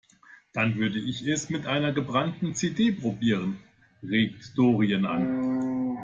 Dann würde ich es mit einer gebrannten CD probieren, regt Doreen an.